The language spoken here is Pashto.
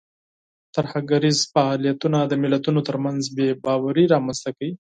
ترهګریز فعالیتونه د ملتونو ترمنځ بې باوري رامنځته کوي.